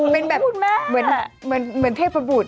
เป็นแบบเหมือนเทพบุตร